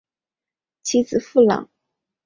其子苻朗。